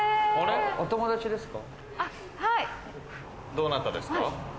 どなたですか？